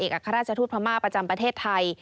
อัครราชทูตพม่าประจำประเทศไทย